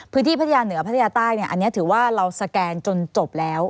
พัทยาเหนือพัทยาใต้เนี่ยอันนี้ถือว่าเราสแกนจนจบแล้ว